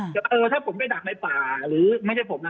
เออถ้าผมไปดักในป่าหรือไม่ใช่ผมนะ